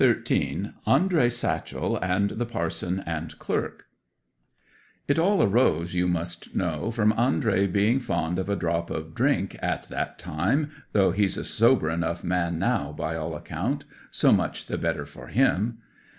ANDREY SATCHEL AND THE PARSON AND CLERK 'It all arose, you must know, from Andrey being fond of a drop of drink at that time—though he's a sober enough man now by all account, so much the better for him.